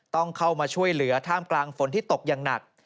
ต้องเข้ามาช่วยเหลือท่ามกลางฝนที่ตกอย่างหนัก